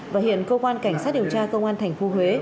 và hiện cơ quan cảnh sát điều tra cơ quan tp hcm